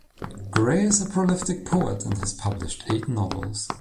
Gray is a prolific poet and has published eight novels.